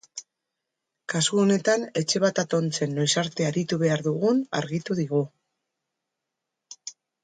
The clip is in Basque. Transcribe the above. Kasu honetan, etxe bat atontzen noiz arte aritu behar dugun argitu digu.